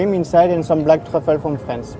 สดทีแกงตอบฝั่งถูกขึ้นข้างในข้างบน